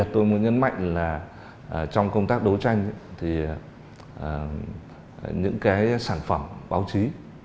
trong công tác đấu tranh những sản phẩm báo chí